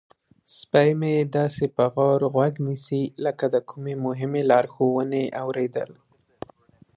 سپی مې داسې په غور غوږ نیسي لکه د کومې مهمې لارښوونې اوریدل.